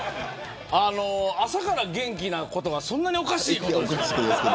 朝から元気なことがそんなにおかしいことですか。